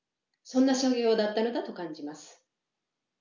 そんな作業だったのだと感じます。